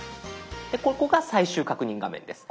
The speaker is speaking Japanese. ここが最終確認画面です。